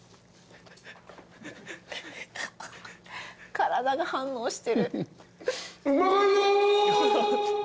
体が反応してる。